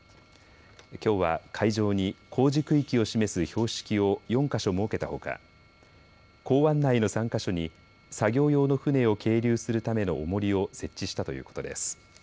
きょうは海上に工事区域を示す標識を４か所設けたほか港湾内の３か所に作業用の船を係留するためのおもりを設置したということです。